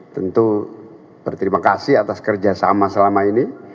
tentu berterima kasih atas kerjasama selama ini